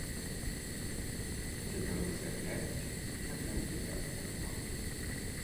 Цяпер высвятляюць, як ён яе атрымаў.